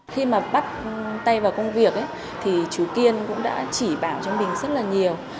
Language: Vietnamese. khi mà bắt tay vào công việc thì chú kiên cũng đã chỉ bảo cho mình rất là nhiều